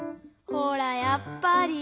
ほらやっぱり。